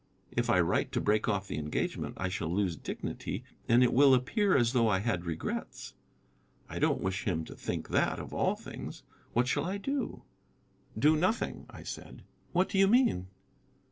If I write to break off the engagement I shall lose dignity, and it will appear as though I had regrets. I don't wish him to think that, of all things. What shall I do?" "Do nothing," I said. "What do you mean?"